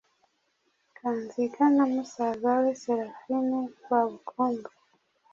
Kanziga na musaza we Seraphin Rwabukumba